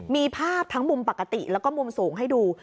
มีภาพทั้งมุมปกติแล้วก็มุมสูงให้ดู